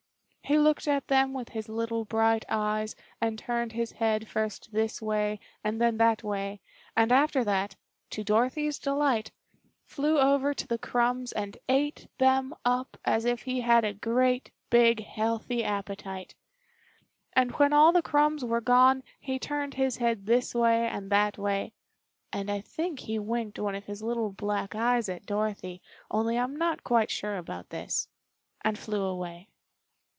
He looked at them with his little bright eyes and turned his head first this way and then that way, and after that, to Dorothy's delight, flew over to the crumbs and ate them up as if he had a great, big, healthy appetite. And when all the crumbs were gone he turned his head this way and that way (and I think he winked one of his little black eyes at Dorothy, only I'm not quite sure about this) and flew away.